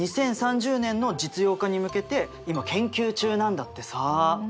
２０３０年の実用化に向けて今研究中なんだってさ。